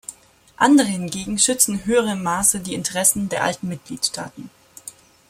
Andere hingegen schützen in höherem Maße die Interessen der alten Mitgliedstaaten.